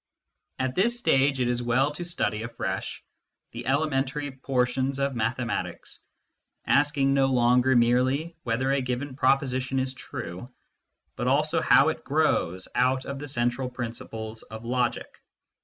At this stage, it is well to study afresh the elementary portions of mathematics, asking no longer merely whether a given proposition is true, but also how it grows out of the central principles of logic.